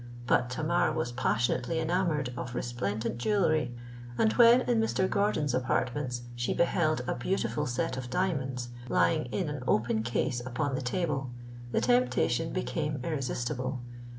But Tamar was passionately enamoured of resplendent jewellery; and when, in Mr. Gordon's apartments, she beheld a beautiful set of diamonds lying in an open case upon the table, the temptation became irresistible.